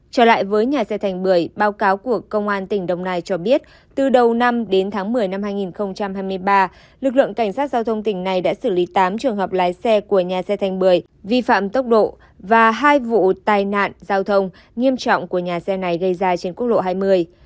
trở lại với nhà xe thành bưởi báo cáo của công an tỉnh đồng nai cho biết từ đầu năm đến tháng một mươi năm hai nghìn hai mươi ba lực lượng cảnh sát giao thông tỉnh này đã xử lý tám trường hợp lái xe của nhà xe thành bưởi vi phạm tốc độ và hai vụ tai nạn giao thông nghiêm trọng của nhà xe này gây ra trên quốc lộ hai mươi